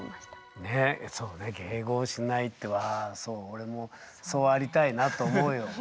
そうね迎合しないとはそう俺もそうありたいなと思うよ。